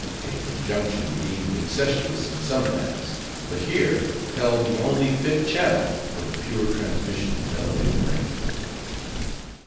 A conjunction deemed incestuous in some lands; but, here, held the only fit channel for the pure transmission of elevated rank.